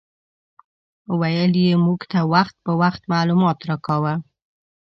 ویل یې موږ ته وخت په وخت معلومات راکاوه.